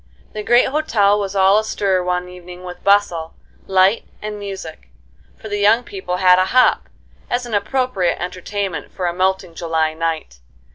The great hotel was all astir one evening with bustle, light, and music; for the young people had a hop, as an appropriate entertainment for a melting July night.